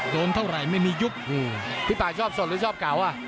โดนเท่าไหร่ไม่มียุบพี่ป่าชอบสดหรือชอบเก่าอ่ะ